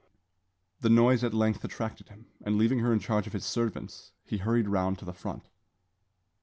The noise at length attracted him; and, leaving her in charge of his servants, he hurried round to the front.